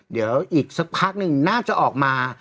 เดี๋ยวอีกสักพักหนึ่งน่าจะออกมา